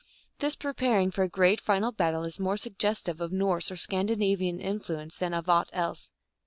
This preparing for a great final battle is more suggestive of Norse or Scandinavian influence than of aught else.